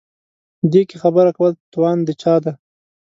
دې کې خبره کول توان د چا دی.